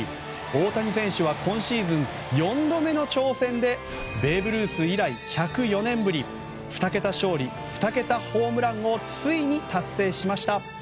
大谷選手は今シーズン４度目の挑戦でベーブ・ルース以来１０４年ぶり２桁勝利２桁ホームランをついに達成しました。